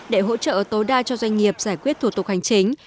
để hỗ trợ tối đa cho doanh nghiệp giải quyết thủ tục hành chính